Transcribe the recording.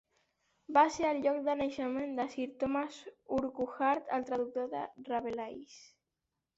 Va ser el lloc de naixement de Sir Thomas Urquhart, el traductor de Rabelais.